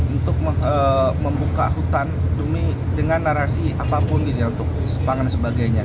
untuk membuka hutan dengan narasi apapun untuk pangan dan sebagainya